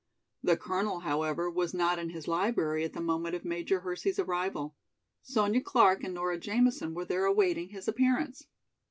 The colonel, however, was not in his library at the moment of Major Hersey's arrival. Sonya Clark and Nora Jamison were there awaiting his appearance.